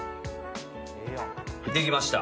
できました。